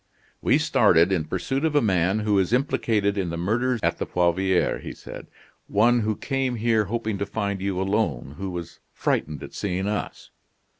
"We started in pursuit of a man who is implicated in the murders at the Poivriere," he said; "one who came here hoping to find you alone, who was frightened at seeing us."